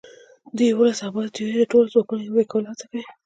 د یوولس ابعادو تیوري د ټولو ځواکونو یوځای کولو هڅه کوي.